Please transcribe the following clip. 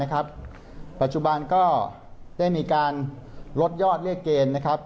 ปัจจุบันก็จะมีการลดยอดเลือกเกณฑ์